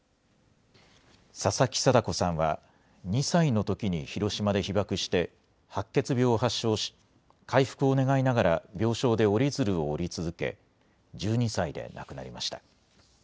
佐々木禎子さんは、２歳のときに広島で被爆して、白血病を発症し、回復を願いながら、病床で折り鶴を折り続け、１２歳で亡くなりました。